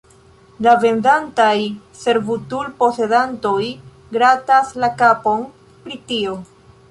La vendantaj servutul-posedantoj gratas la kapon pri tio.